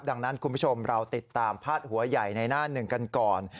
ดังนั้นคุณผู้ชมเราติดตามพาดหัวใหญ่ในหน้าหนึ่งกันก่อน